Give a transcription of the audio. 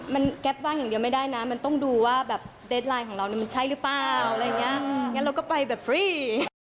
มันแก๊บว่างอย่างเดียวไม่ได้นะมันต้องดูว่าแบบเจสไลน์รอมันใช่หรือเปล่าแล้วแง่เราก็ไปแบบพรี